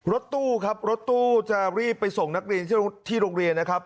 รถตู้ครับรถตู้จะรีบไปส่งนักเรียนที่โรงเรียนนะครับ